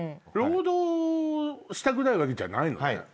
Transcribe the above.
労働したくないわけじゃないのね。